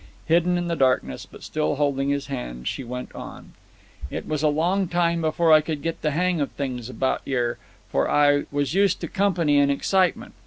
Hidden in the darkness, but still holding his hand, she went on: "It was a long time before I could get the hang of things about yer, for I was used to company and excitement.